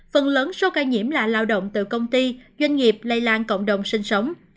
phần lớn số ca nhiễm là lao động từ công ty doanh nghiệp lây lan cộng đồng sinh sống